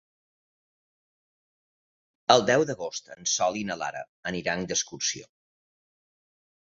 El deu d'agost en Sol i na Lara aniran d'excursió.